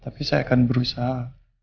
tapi saya akan berusaha